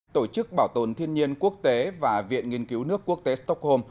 tổ chức bảo tồn thiên nhiên quốc tế và viện nghiên cứu nước quốc tế stockholm